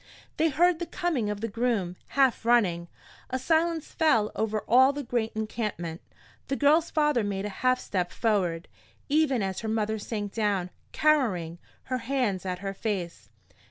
They heard the coming of the groom, half running. A silence fell over all the great encampment. The girl's father made a half step forward, even as her mother sank down, cowering, her hands at her face.